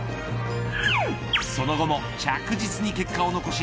その後も着実に結果を残し